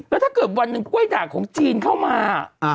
แล้วถ้าเกิดวันหนึ่งกล้วยด่างของจีนเข้ามา